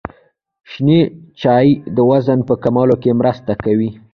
شنې چايي د وزن په کمولو کي مرسته کوي.